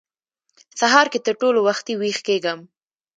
سهار کې تر ټولو وختي وېښ کېږم.